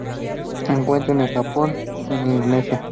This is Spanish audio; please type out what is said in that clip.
Se encuentra en el Japón e Indonesia.